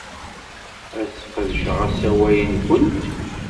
Ad sqedceɣ asawal-nwent.